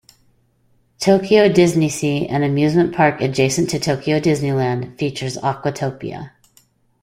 Tokyo DisneySea, an amusement park adjacent to Tokyo Disneyland, features Aquatopia.